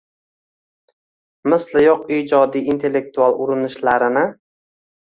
– misli yo‘q ijodiy-intellektual urinishlarini